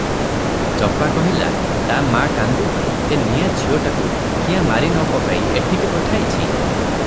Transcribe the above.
ଚମ୍ପା କହିଲା, "ତା ମା କାନ୍ଦୁ, ଏ ନିଆଁ ଝିଅକୁ କ୍ୟାଁ ମାରି ନ ପକାଇ ଏଠିକି ପଠାଇଛି?